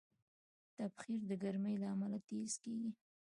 تبخیر د ګرمۍ له امله تېز کېږي.